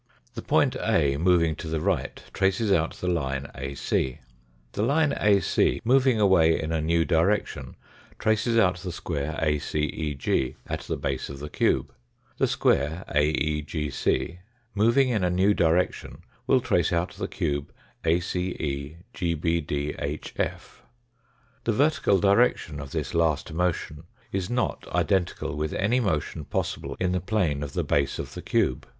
The point A, moving to the right, traces out the line AC. The line AC, moving away in a new direction, traces out the square ACEG at the base of the cube. The square AEGC, moving in a new direction, will trace out the cube ACEGHDIIF. The vertical direction of this last motion is not identical with any motion possible in the plane of the base of the cube.